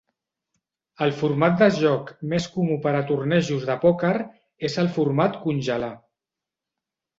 El format de joc més comú per a tornejos de pòquer és el format "congelar".